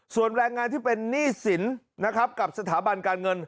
ส่วนแรงงานที่เป็นหนี้สินนะครับกับสถาบันการเงิน